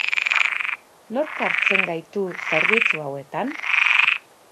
Nork hartzen gaitu zerbitzu hauetan?